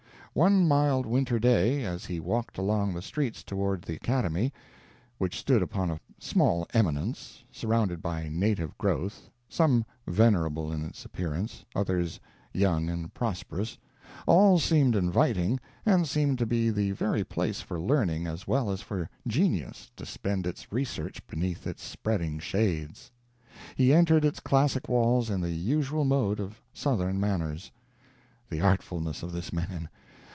One mild winter day, as he walked along the streets toward the Academy, which stood upon a small eminence, surrounded by native growth some venerable in its appearance, others young and prosperous all seemed inviting, and seemed to be the very place for learning as well as for genius to spend its research beneath its spreading shades. He entered its classic walls in the usual mode of southern manners. The artfulness of this man!